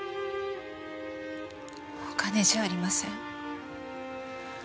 お金じゃありません。